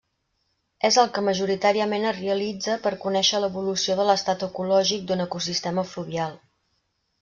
És el que majoritàriament es realitza per conèixer l'evolució de l'estat ecològic d'un ecosistema fluvial.